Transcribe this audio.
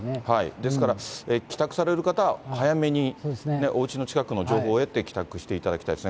ですから、帰宅される方は早めにおうちの近くの情報を得て帰宅していただきたいですね。